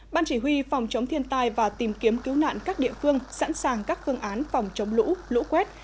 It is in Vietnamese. ban chỉ huy phòng chống thiên tai và tìm kiếm cứu nạn các địa phương sẵn sàng các phương án phòng chống lũ lũ quét